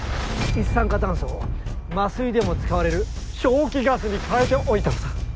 一酸化炭素を麻酔でも使われる笑気ガスに変えておいたのさ。